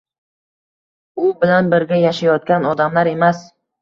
U bilan birga yashayotgan odamlar emas.